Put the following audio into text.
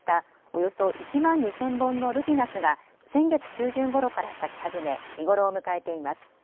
およそ１万２０００本のルピナスが先月中旬ごろから咲き始め、見頃を迎えています。